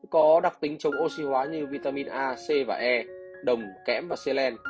có đặc tính chống oxy hóa như vitamin a c và e đồng kẽm và seland